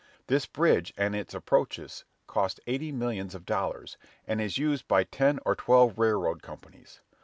This bridge and its approaches cost eighty millions of dollars, and is used by ten or twelve railroad companies.